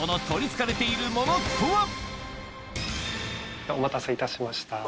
一体お待たせいたしました。